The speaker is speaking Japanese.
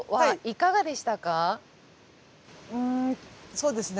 そうですね